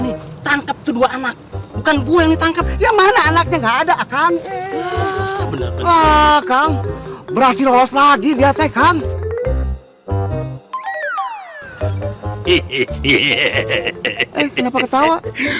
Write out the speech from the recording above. eh kenapa ketawa